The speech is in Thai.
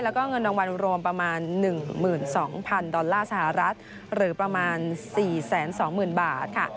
แล้วก็เงินรางวัลรวมประมาณ๑๒๐๐๐ดอลลาร์สหรัฐหรือประมาณ๔๒๐๐๐บาทค่ะ